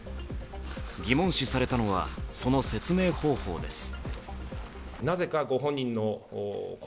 疑問視されたのは、その説明方法です。